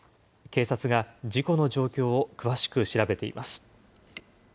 警察が事故の状況を詳しく調べています。